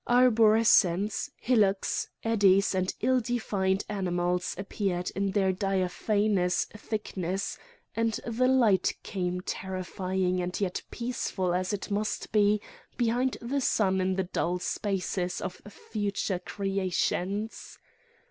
Arborescences, hillocks, eddies, and ill defined animals appeared in their diaphanous thickness; and the light came terrifying and yet peaceful as it must be behind the sun in the dull spaces of future creations.